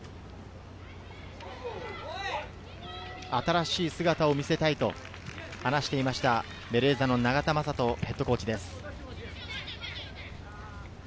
新しい姿を見せたいと話していた、ベレーザ・永田雅人ヘッドコーチです。